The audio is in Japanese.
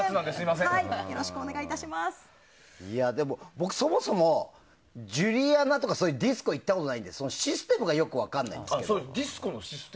僕、そもそもジュリアナとかディスコに行ったことないので行ったことないのでシステムがよく分からないんですよね。